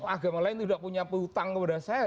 agama lain tidak punya hutang kepada saya